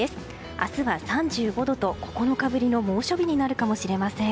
明日は３５度と９日ぶりの猛暑日になるかもしれません。